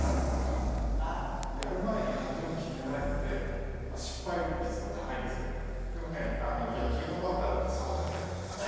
あのねやる前にほんとに決めないのででもね野球のバッターだって３割じゃないですか。